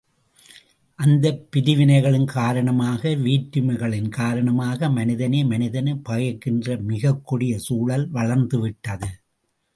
அந்தப் பிரிவினைகளின் காரணமாக வேற்றுமைகளின் காரணமாக மனிதனே மனிதனைப் பகைக்கின்ற மிகக்கொடிய சூழல் வளர்ந்துவிட்டது.